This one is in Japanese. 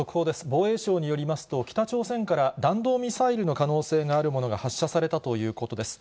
防衛省によりますと、北朝鮮から弾道ミサイルの可能性のあるものが発射されたということです。